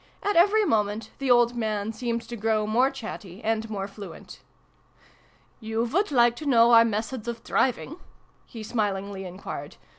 At every moment the old man seemed to grow more chatty and more fluent. " You would like to know our methods of driving?" he smilingly enquired.